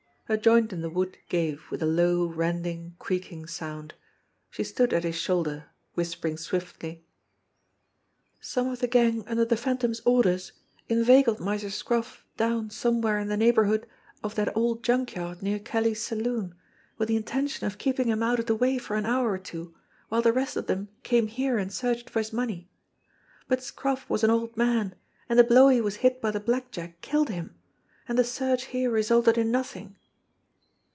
A joint in the wood gave with a low, rending, creaking sound. She stood at his shoulder, whispering swiftly : "Some of the gang under the Phantom's orders inveigled Miser Scroti: down somewhere in the neighbourhood of that old junk yard near Kelly's saloon, with the intention of keep ing him out of the way for an hour or two while the rest of them came here and searched for his money. But Scroff was an old man, and the blow he was hit by the black jack killed him ; and the search here resulted in nothing."